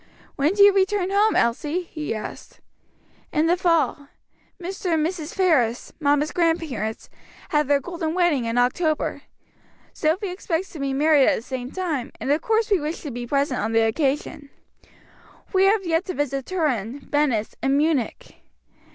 "When do you return home, Elsie?" he asked. "In the fall. Mr. and Mrs. Perris, mamma's grandparents, have their golden wedding in October. Sophy expects to be married at the same time, and of course we wish to be present on the occasion. We have yet to visit Turin, Venice, and Munich.